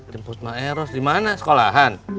jemput maeros dimana sekolahan